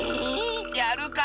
やるか！